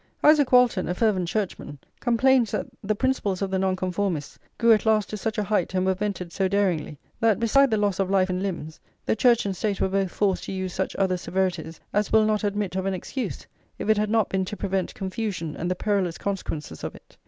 Isaac Walton, a fervent Churchman, complains that "the principles of the Nonconformists grew at last to such a height and were vented so daringly, that, beside the loss of life and limbs, the Church and State were both forced to use such other severities as will not admit of an excuse, if it had not been to prevent confusion and the perilous consequences of it."